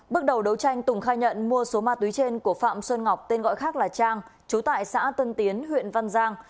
bước đầu đấu tranh tùng khai nhận mua số ma túy trên của phạm xuân ngọc tên gọi khác là trang trú tại xã tân tiến huyện văn giang